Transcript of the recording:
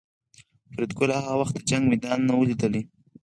فریدګل هغه وخت د جنګ میدان نه و لیدلی